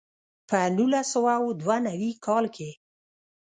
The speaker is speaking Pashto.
په نولس سوه دوه نوي کال کې.